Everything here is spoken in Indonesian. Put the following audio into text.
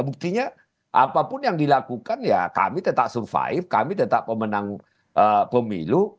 buktinya apapun yang dilakukan ya kami tetap survive kami tetap pemenang pemilu